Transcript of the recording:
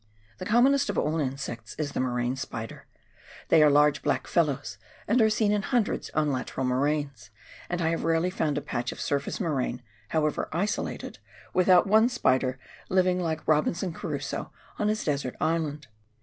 The commonest of all insects is the moraine spider. They are large black fellows, and are seen in hundreds on lateral moraines, and I have rarely found a patch of surface moraine — however isolated — without one spider living like a Eobinson Crusoe on his desert island.